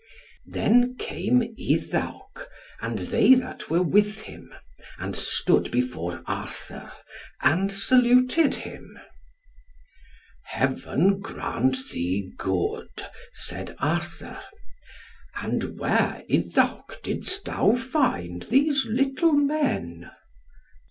Then came Iddawc and they that were with him, and stood before Arthur, and saluted him. "Heaven grant thee good," said Arthur. "And where, Iddawc, didst thou find these little men?"